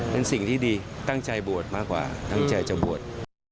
เป็นสิ่งที่ดีตั้งใจบวชมากกว่าตั้งใจจะบวช